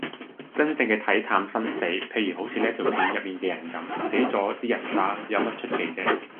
真正嘅睇淡生死，譬如好似呢條片入面嘅人噉，死咗個人嗟，有乜咁出奇啫